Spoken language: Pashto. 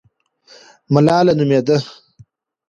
ملاله نومېده.